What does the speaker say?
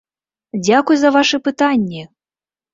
Дзякуй за вашы пытанні!